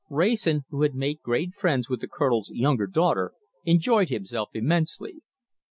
Wrayson, who had made great friends with the Colonel's younger daughter, enjoyed himself immensely.